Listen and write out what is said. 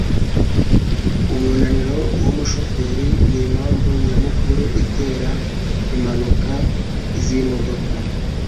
Umunaniro wumushoferi nimpamvu nyamukuru itera impanuka zimodoka